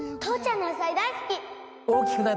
父ちゃんの野菜大好き！